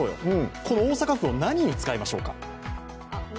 この大阪府を何に使いましょうか？